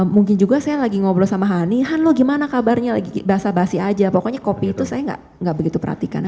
mungkin juga saya lagi ngobrol sama hani han lo gimana kabarnya lagi basah basi aja pokoknya kopi itu saya nggak begitu perhatikan